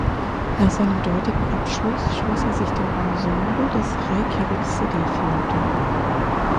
Nach seinem dortigen Abschluss schloss er sich dem Ensemble des Reykjavik City Theatre an.